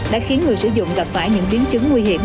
đã khiến người sử dụng gặp phải những biến chứng nguy hiểm